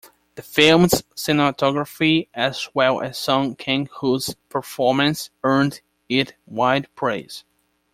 The film's cinematography, as well as Song Kang-ho's performance, earned it wide praise.